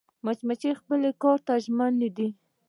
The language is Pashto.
مچمچۍ خپل کار ته ژمنه ده